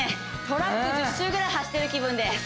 トラック１０周ぐらい走ってる気分です